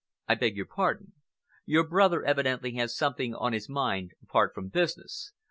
"I beg your pardon. Your brother evidently has something on his mind apart from business.